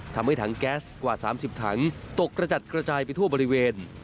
ทำให้ถังแก๊สกว่า๓๐ถังตกกระจัดกระจายไปทั่วบริเวณ